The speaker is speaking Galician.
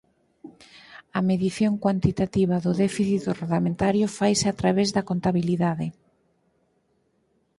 A medición cuantitativa do déficit orzamentario faise a través da contabilidade.